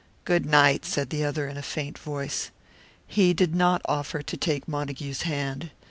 "Good night," said the other, in a faint voice. He did not offer to take Montague's hand.